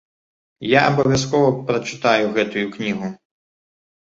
Я абавязкова прачытаю гэтую кнігу.